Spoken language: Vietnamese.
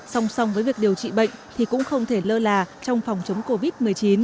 song song với việc điều trị bệnh thì cũng không thể lơ là trong phòng chống covid một mươi chín